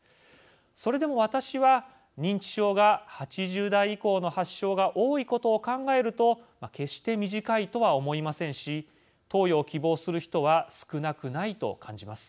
それでも私は認知症が８０代以降の発症が多いことを考えると決して短いとは思いませんし投与を希望する人は少なくないと感じます。